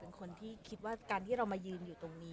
บางทีเค้าแค่อยากดึงเค้าต้องการอะไรจับเราไหล่ลูกหรือยังไง